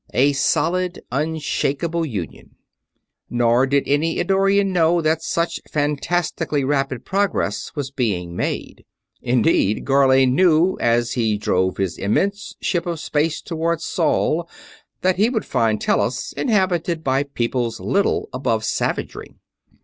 A solid, unshakeable union._ _Nor did any Eddorian know that such fantastically rapid progress was being made. Indeed, Gharlane knew, as he drove his immense ship of space toward Sol, that he would find Tellus inhabited by peoples little above savagery.